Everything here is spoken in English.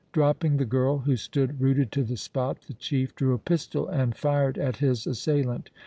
Dropping the girl, who stood rooted to the spot, the chief drew a pistol and fired at his assailant.